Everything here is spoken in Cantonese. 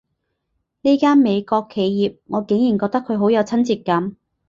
呢間美國企業，我竟然覺得佢好有親切感